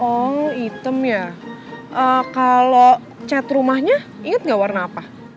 oh hitam ya eh kalau cat rumahnya inget nggak warna apa